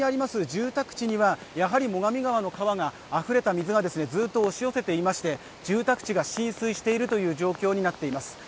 住宅地にはやはり最上川のあふれた水がずっと押し寄せていまして住宅地が浸水しているという状況になっています。